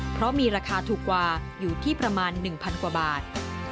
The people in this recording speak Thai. เพราะมีราคาถูกกว่าอยู่ที่ประมาณ๑๐๐กว่าบาท